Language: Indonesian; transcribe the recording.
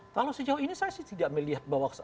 kalau sejauh ini saya sih tidak melihat bahwa